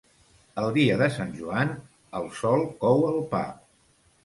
El dia de Sant Joan el sol cou el pa.